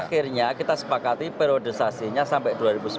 akhirnya kita sepakati periodisasinya sampai dua ribu sembilan belas